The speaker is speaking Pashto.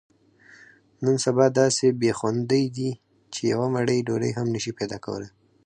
نن سبا داسې بې خوندۍ دي، چې یوه مړۍ ډوډۍ هم نشې پیداکولی.